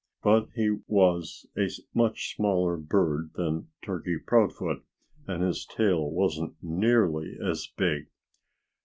But he was a much smaller bird than Turkey Proudfoot and his tail wasn't nearly as big.